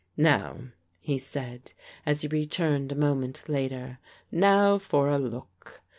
" Now," he said, as he returned a moment latei/. " Now for a look!